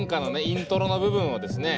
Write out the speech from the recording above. イントロの部分をですね